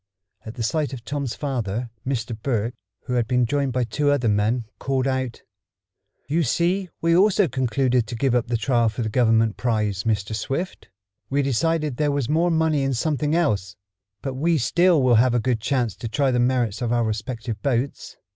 At the sight of Tom's father, Mr. Berg, who had been joined by two other men, called out: "You see we also concluded to give up the trial for the Government prize, Mr. Swift. We decided there was more money in something else. But we still will have a good chance to try the merits of our respective boats.